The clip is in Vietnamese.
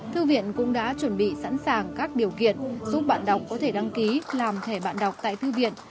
thư viện cũng đã chuẩn bị sẵn sàng các điều kiện giúp bạn đọc có thể đăng ký làm thẻ bạn đọc tại thư viện